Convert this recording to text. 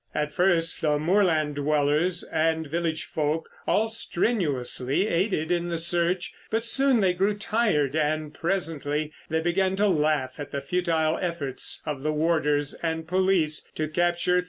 At first the moorland dwellers and village folk all strenuously aided in the search, but soon they grew tired, and presently they began to laugh at the futile efforts of the warders and police to capture 381.